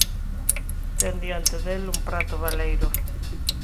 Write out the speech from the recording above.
Ten diante del un prato baleiro;